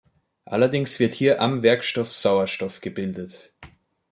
Allerdings wird hier am Werkstoff Sauerstoff gebildet.